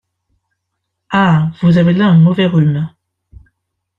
Ah ! vous avez là un mauvais rhume.